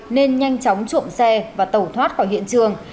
nên nhanh chóng trộm xe và tẩu thoát khỏi hiện trường